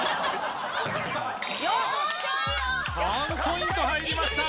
３ポイント入りました！